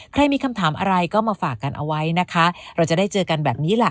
ใครมีคำถามอะไรก็มาฝากกันเอาไว้นะคะเราจะได้เจอกันแบบนี้ล่ะ